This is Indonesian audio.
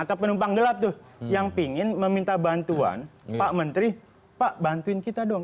atau penumpang gelap tuh yang ingin meminta bantuan pak menteri pak bantuin kita dong